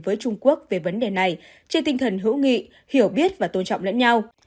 với trung quốc về vấn đề này trên tinh thần hữu nghị hiểu biết và tôn trọng lẫn nhau